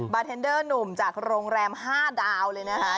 เทนเดอร์หนุ่มจากโรงแรม๕ดาวเลยนะคะ